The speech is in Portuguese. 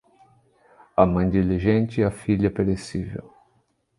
A mãe diligente, a filha perecível.